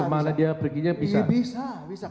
kemana dia pergi bisa bisa